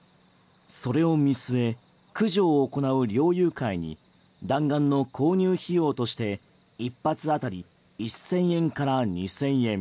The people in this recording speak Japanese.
それを見据え駆除を行う猟友会に弾丸の購入費用として一発あたり１０００円から２０００円